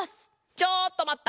ちょっとまった！